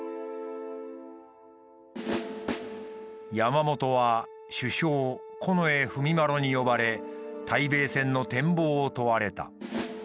山本は首相近衛文麿に呼ばれ対米戦の展望を問われた。